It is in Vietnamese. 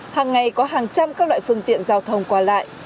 hàng ngày có hàng trăm các loại phương tiện giao thông qua lại